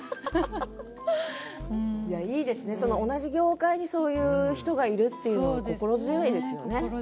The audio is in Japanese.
いいですね、同じ業界にそういう人がいるのは心強いですね。